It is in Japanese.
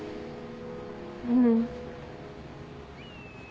うん。